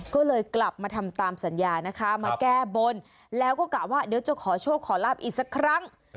ก็เลยกลับมาทำตามสัญญานะคะมาแก้บนแล้วก็กะว่าเดี๋ยวจะขอโชคขอลาบอีกสักครั้ง